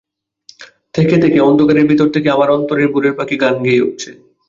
থেকে থেকে অন্ধকারের ভিতর থেকে আমার অন্তরের ভোরের পাখি গান গেয়ে উঠছে।